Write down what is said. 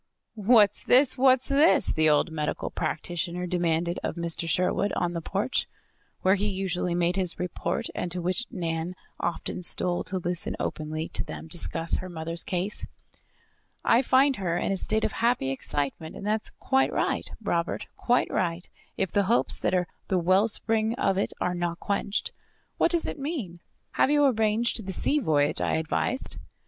"What's this? What's this?" the old medical practitioner demanded of Mr. Sherwood, on the porch, where he usually made his report, and to which Nan often stole to listen openly to them discuss her mother's case. "I find her in a state of happy excitement, and that is quite right, Robert, quite right, if the hopes that are the wellspring of it are not quenched. What does it mean? Have you arranged the sea voyage I advised?"